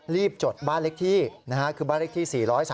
รีบจดบ้านเล็กที่นะครับคือบ้านเล็กที่๔๓๙